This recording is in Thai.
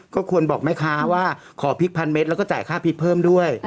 ก็ควรบอกแม่ค้าว่าขอพริกพันเมตรแล้วก็จ่ายค่าพริกเพิ่มด้วย